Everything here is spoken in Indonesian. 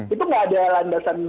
itu nggak ada landasan